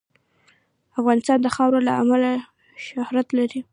افغانستان د خاوره له امله شهرت لري.